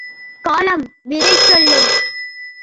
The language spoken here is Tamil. காலம் விடை சொல்லும்!